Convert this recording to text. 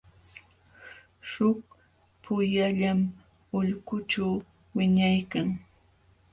Suk puyallam ulqućhu wiñaykan.